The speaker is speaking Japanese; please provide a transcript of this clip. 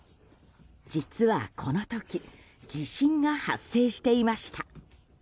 実は、この時地震が発生していました。